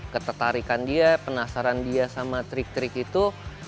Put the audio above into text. ketertarikan dia penasaran dia sama trik trik itu